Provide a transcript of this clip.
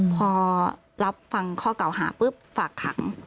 พอรับฟังข้อเก่าหาปุ๊บฝากขัง